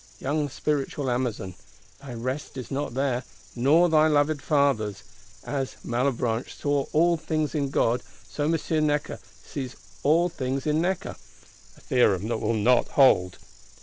Young spiritual Amazon, thy rest is not there; nor thy loved Father's: "as Malebranche saw all things in God, so M. Necker sees all things in Necker,"—a theorem that will not hold.